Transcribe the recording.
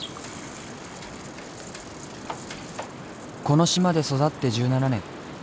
この島で育って１７年。